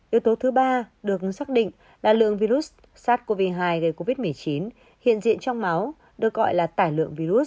yếu tố thứ ba được xác định là lượng virus sars cov hai gây covid một mươi chín hiện diện trong máu được gọi là tải lượng virus